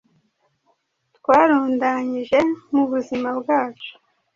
twarundanyije mu buzima bwacu,